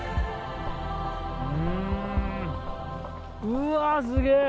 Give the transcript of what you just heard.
うわすげえ！